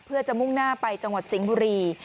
เพื่อจะมุ่งหน้าไปจังหวัดสิงห์บุรี